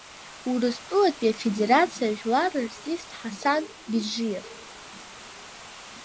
Урыстәылатәи Афедерациа жәлар рартист Ҳасан Биджиев.